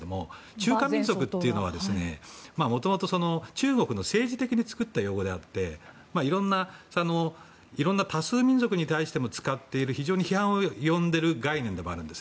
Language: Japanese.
中華民族というのはもともと、中国が政治的に作った用語であっていろんな多数民族に対しても使っている非常に批判を呼んでいる概念でもあって。